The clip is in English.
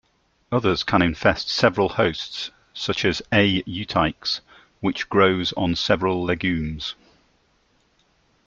Others can infest several hosts, such as "A. euteiches", which grows on several legumes.